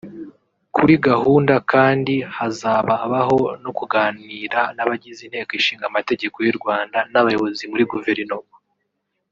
Kuri gahunda kandi hazababaho no kuganira n’abagize Inteko Ishinga Amategeko y’u Rwanda n’abayobozi muri Guverinoma